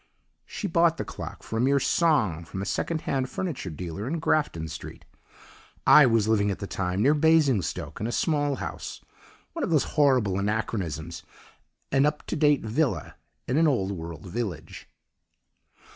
She bought the clock for a mere song from a second hand furniture dealer in Grafton Street. I was living at the time near Basingstoke in a small house one of those horrible anachronisms, an up to date villa in an old world village.